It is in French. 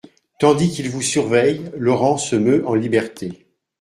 Tandis qu'ils vous surveillent, Laurent se meut en liberté.